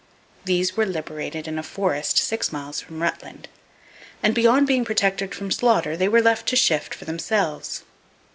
These were liberated in a forest six miles from Rutland, and beyond being protected from slaughter, they were left to shift for themselves.